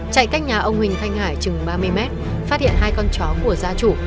chạy cách nhà ông huỳnh thanh hải chừng ba mươi mét phát hiện hai con chó của gia chủ